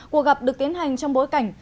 cuộc gặp được tiến hành trong bối cảnh